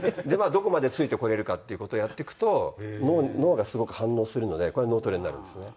どこまでついてこれるかっていう事をやっていくと脳がすごく反応するのでこれが脳トレになるんですよね。